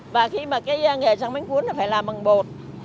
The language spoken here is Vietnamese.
và khi mà cái nghề trang bánh cuốn là phải làm bằng bột